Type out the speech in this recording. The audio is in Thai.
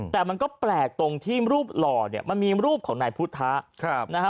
แต่มันก็แปลกตรงที่รูปหล่อเนี่ยมันมีรูปของนายพุทธะนะฮะ